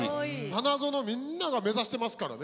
花園みんなが目指してますからね。